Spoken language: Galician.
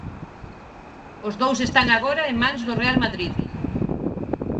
Os dous están agora en mans do Real Madrid.